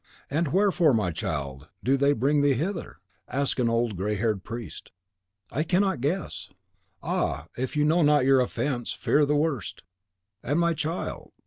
"And wherefore, my child, do they bring thee hither?" asked an old, grey haired priest. "I cannot guess." "Ah, if you know not your offence, fear the worst!" "And my child?"